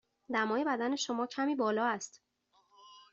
دمای بدن شما کمی بالا است.